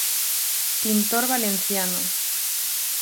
Pintor valenciano.